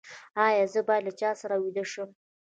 ایا زه باید له چا سره ویده شم؟